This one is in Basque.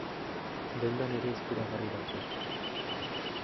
Dendan ere eskuragarri daude.